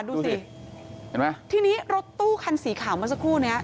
ดูสิเห็นไหมทีนี้รถตู้คันสีขาวเมื่อสักครู่นี้